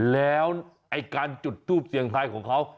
แล้วไอ้การจุดทูปเสียงไทยของเขา